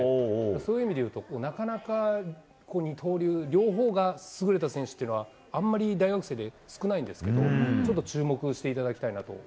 そういう意味で言うと、なかなか二刀流、両方が優れた選手というのは、あんまり大学生で少ないんですけど、ちょっと注目していた